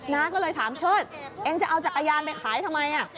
น้าก็เลยถามเชิดเองจะเอาจักรยานไปขายทำไม